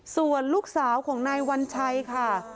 ส่วนลูกสาวของนายวัญชัยค่ะ